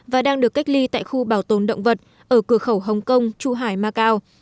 và đang được cách ly tại khu bảo tồn động vật ở cửa khẩu hồng kông chu hải macau